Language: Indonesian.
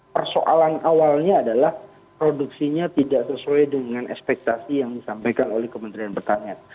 persoalan awalnya adalah produksinya tidak sesuai dengan ekspektasi yang disampaikan oleh kementerian pertanian